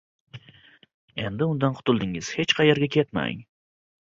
Endi undan qutuldingiz. Hech qayerga ketmang.